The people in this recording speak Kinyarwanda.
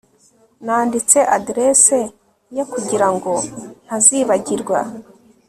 Nanditse adresse ye kugirango ntazibagirwa